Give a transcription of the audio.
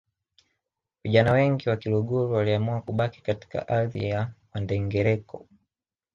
Vijana wengi wa Kiluguru waliamua kubaki katika ardhi ya Wandengereko